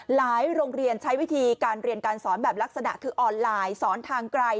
โรงเรียนใช้วิธีการเรียนการสอนแบบลักษณะคือออนไลน์สอนทางไกล